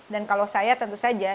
dan kalau saya tentu saja